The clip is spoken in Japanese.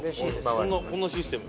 こんなシステム。